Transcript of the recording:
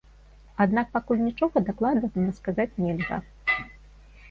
Аднак пакуль нічога дакладна сказаць нельга.